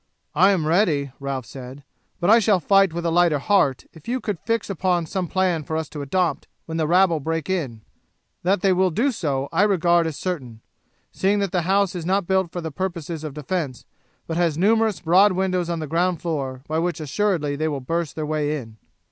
"I am ready," Ralph said, "but I shall fight with a lighter heart if you could fix upon some plan for us to adopt when the rabble break in. That they will do so I regard as certain, seeing that the house is not built for purposes of defence, but has numerous broad windows on the ground floor by which assuredly they will burst their way in.